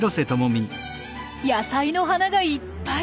野菜の花がいっぱい。